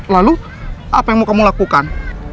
lalu apa yang mau kamu lakukan